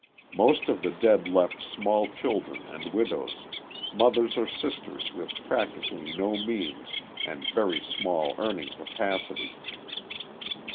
Most of the dead left small children and widows, mothers or sisters with practically no means and very small earning capacity.